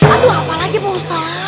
aduh apa lagi pak ustadz